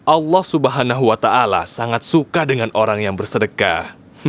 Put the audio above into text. allah subhanahu wa ta ala sangat suka dengan orang yang bersedekah